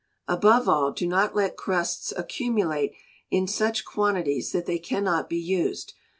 Above all, do not let crusts accumulate in such quantities that they cannot be used.